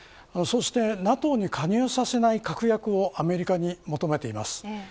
そしてＮＡＴＯに加入させない確約をアメリカに求めています。